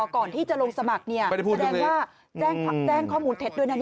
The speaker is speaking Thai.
ก่อนที่จะลงสมัครแสดงว่าแจ้งข้อมูลเท็จด้วยแน่